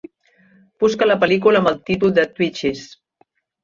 Busca la pel·lícula amb el títol de "Twitches"